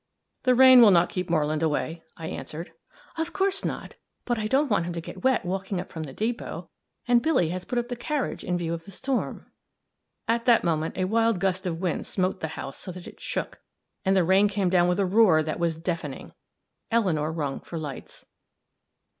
"The rain will not keep Moreland away," I answered. "Of course not but I don't want him to get wet walking up from the depot; and Billy has put up the carriage in view of the storm." At that moment a wild gust of wind smote the house so that it shook, and the rain came down with a roar that was deafening. Eleanor rung for lights.